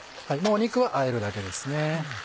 肉はあえるだけですね。